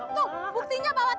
tuh buktinya bawa tas banyak